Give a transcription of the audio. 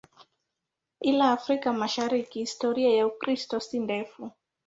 Ila Afrika Mashariki historia ya Ukristo si ndefu.